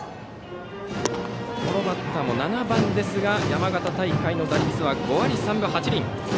このバッターも７番ですが山形大会の打率は５割３分８厘。